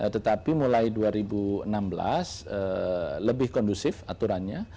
tetapi mulai dua ribu enam belas lebih kondusif aturannya